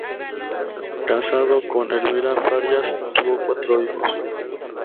Casado con Elvira Farías, tuvo cuatro hijos.